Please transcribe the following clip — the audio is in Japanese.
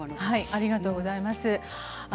ありがとうございます。